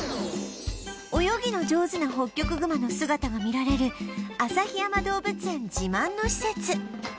泳ぎの上手なホッキョクグマの姿が見られる旭山動物園自慢の施設